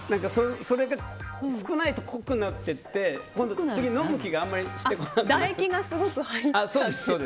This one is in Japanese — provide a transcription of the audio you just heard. それが少ないと濃くなってて次、飲む気があんまりしてこなくなる。